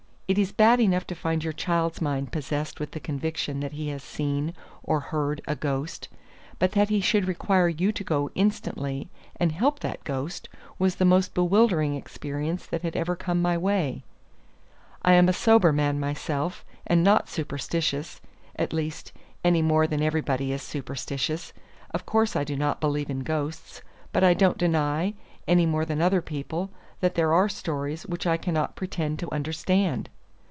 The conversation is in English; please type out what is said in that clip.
It is bad enough to find your child's mind possessed with the conviction that he has seen, or heard, a ghost; but that he should require you to go instantly and help that ghost was the most bewildering experience that had ever come my way. I am a sober man myself, and not superstitious at least any more than everybody is superstitious. Of course I do not believe in ghosts; but I don't deny, any more than other people, that there are stories which I cannot pretend to understand.